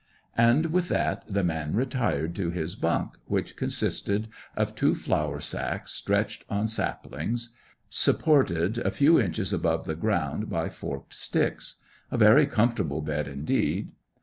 And with that the man retired to his bunk, which consisted of two flour sacks stretched on saplings, supported a few inches above the ground by forked sticks; a very comfortable bed indeed.